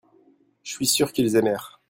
je suis sûr qu'ils aimèrent.